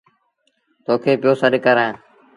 تو کي پيو سڏ ڪرآݩ ۔